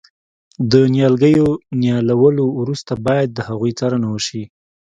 د نیالګیو نیالولو وروسته باید د هغوی څارنه وشي.